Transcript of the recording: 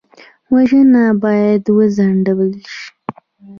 وژنه باید وځنډول شي